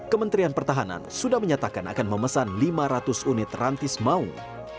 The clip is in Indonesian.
kementerian pertahanan sudah menyatakan akan memesan lima ratus unit rantis maung